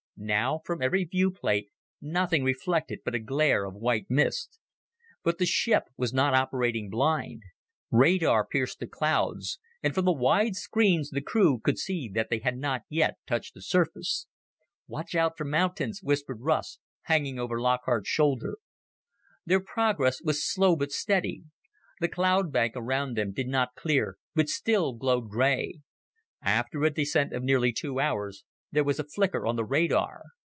Now, from every viewplate, nothing reflected but a glare of white mist. But the ship was not operating blind. Radar pierced the clouds, and from the wide screens the crew could see that they had not yet touched the surface. "Watch out for mountains," whispered Russ, hanging over Lockhart's shoulder. Their progress was slow but steady. The cloud bank around them did not clear, but still glowed gray. After a descent of nearly two hours, there was a flicker on the radar.